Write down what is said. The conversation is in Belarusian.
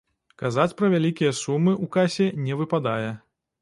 Казаць пра вялікія сумы ў касе не выпадае.